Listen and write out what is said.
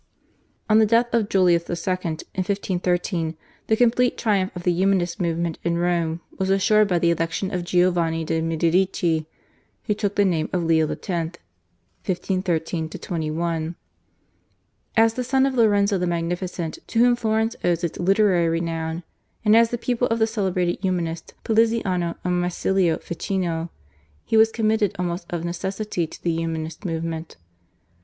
On the death of Julius II. in 1513 the complete triumph of the Humanist movement in Rome was assured by the election of Giovanni de' Medici who took the name of Leo X. (1513 21). As the son of Lorenzo the Magnificent, to whom Florence owes its literary renown, and as the pupil of the celebrated Humanists, Poliziano and Marsilio Ficino, he was committed almost of necessity to the Humanist movement.